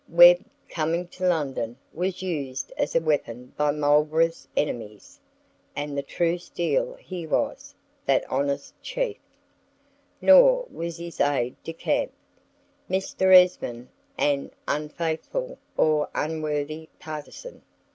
Webb coming to London was used as a weapon by Marlborough's enemies (and true steel he was, that honest chief); nor was his aide de camp, Mr. Esmond, an unfaithful or unworthy partisan.